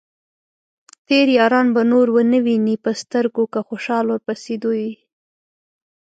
تېر ياران به نور ؤنه وينې په سترګو ، که خوشال ورپسې دوې